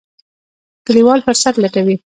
کلیوال فرصت لټوي.